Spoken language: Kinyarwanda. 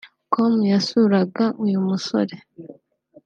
com yasuraga uyu musore